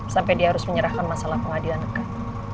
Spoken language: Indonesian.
sampai dia harus menyerahkan masalah pengadilan negeri